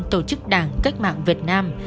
tổ chức đảng cách mạng việt nam